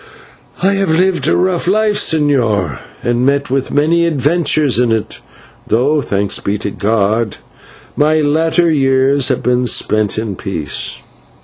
"I have lived a rough life, señor, and met with many adventures in it, though, thanks be to God, my last years have been spent in peace.